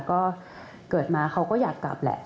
ก็เกิดมาเขาก็อยากกลับแหละ